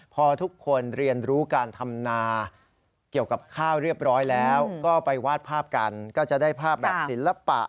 ไปวาดภาพกันก็จะได้ภาพแบบศิลปะ